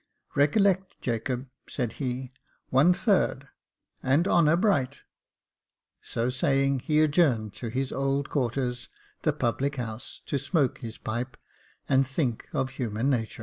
" Recollect, Jacob," said he, "one third, and honour bright;" so saying, he adjourned to his old quarters, the public house, to smoke his pipe and think of human natur.